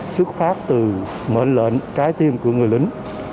xuất phát từ mệnh lệnh trái tim của người lính